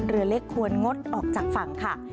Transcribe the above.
เรือเล็กควรงดออกจากฝั่งค่ะ